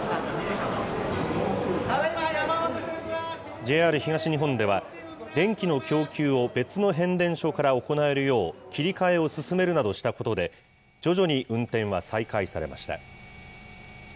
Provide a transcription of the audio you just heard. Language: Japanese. ＪＲ東日本では、電気の供給を別の変電所から行えるよう切り替えを進めるなどしたことで、徐々に運転は再開されました。